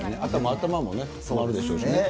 頭もね、回るでしょうね。